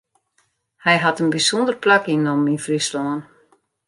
Hy hat in bysûnder plak ynnommen yn Fryslân.